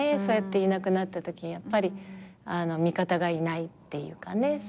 そうやっていなくなったときにやっぱり味方がいないっていうかね。